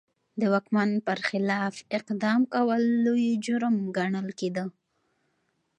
د واکمن پر خلاف اقدام کول لوی جرم ګڼل کېده.